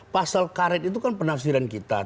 pasal karet itu kan penafsiran kita